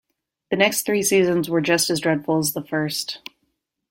The next three seasons were just as dreadful as the first.